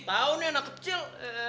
tau nih anak kecil